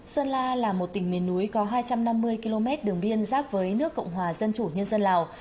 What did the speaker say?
sơn la là một tỉnh miền núi có hai trăm năm mươi km đường biên giáp với nước cộng hòa dân chủ nhân dân lào